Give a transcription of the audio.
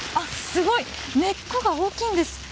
根っこが大きいんです。